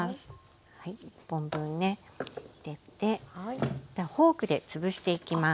１本分ね入れてフォークで潰していきます。